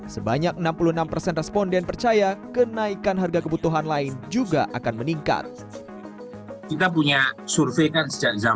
sebanyak enam puluh enam persen responden percaya kenaikan harga kebutuhan lain juga akan meningkat